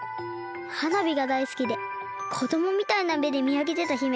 はなびがだいすきでこどもみたいなめでみあげてた姫。